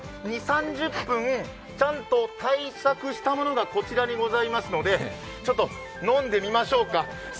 ２０３０分、ちゃんと対策したものがこちらにありますのでちょっと飲んでみましょうか。